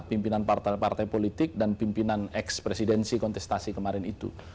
pimpinan partai partai politik dan pimpinan ekspresidensi kontestasi kemarin itu